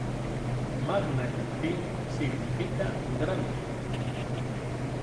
Magna en latín significa "grande".